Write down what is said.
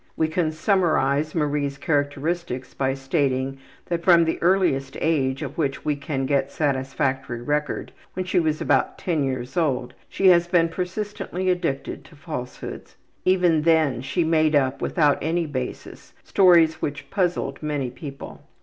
We can summarize Marie's characteristics by stating that from the earliest age of which we can get satisfactory record, when she was about 10 years old, she has been persistently addicted to falsehoods. Even then she made up, without any basis, stories which puzzled many people.